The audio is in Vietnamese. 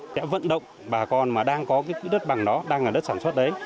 để vận động bà con mà đang có cái quỹ đất bằng đó đang ở đất sản xuất đấy